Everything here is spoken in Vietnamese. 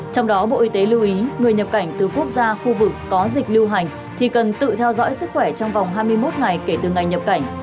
trong đó bộ y tế lưu ý người nhập cảnh từ quốc gia khu vực có dịch lưu hành thì cần tự theo dõi sức khỏe trong vòng hai mươi một ngày kể từ ngày nhập cảnh